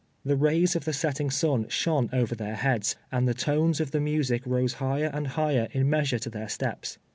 The rays of the setting sun shone over their heads, and the tones of the music rose higher and higher in measure to their steps.